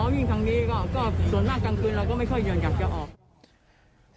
อ๋อวิ่งทางนี้ก็ส่วนมากตางคืนเราก็ไม่เคยยินกับออก